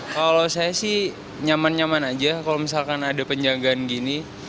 kalau saya sih nyaman nyaman aja kalau misalkan ada penjagaan gini